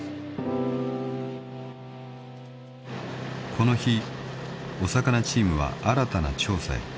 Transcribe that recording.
［この日お魚チームは新たな調査へ］